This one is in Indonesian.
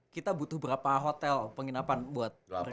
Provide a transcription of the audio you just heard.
kita butuh berapa hotel penginapan buat mereka